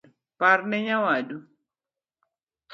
Parne nyawadu